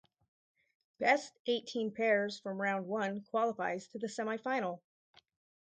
Best eighteen pairs from round one qualifies to the semifinal.